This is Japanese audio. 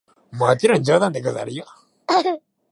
もちろん冗談でござるよ！